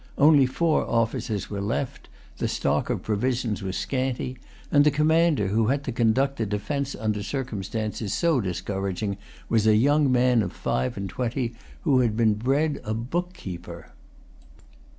Only four officers were left; the stock of provisions was scanty; and the commander, who had to conduct the defence under circumstances so discouraging, was a young man of five and twenty, who had been bred a bookkeeper.